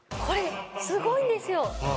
これすごいんですよ！